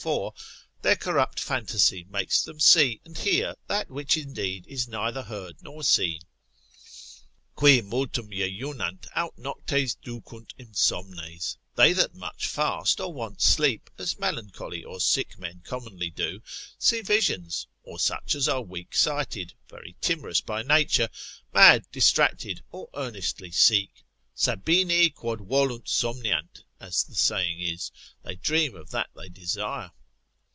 4. their corrupt phantasy makes them see and hear that which indeed is neither heard nor seen, Qui multum jejunant, aut noctes ducunt insomnes, they that much fast, or want sleep, as melancholy or sick men commonly do, see visions, or such as are weak sighted, very timorous by nature, mad, distracted, or earnestly seek. Sabini quod volunt somniant, as the saying is, they dream of that they desire.